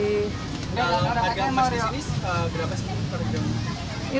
kalau harga emas di sini berapa sih